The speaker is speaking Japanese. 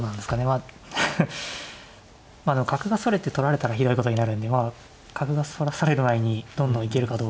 まあでも角がそれて取られたらひどいことになるんでまあ角がそらされる前にどんどん行けるかどうか。